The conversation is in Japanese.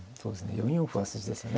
４四歩は筋ですよね。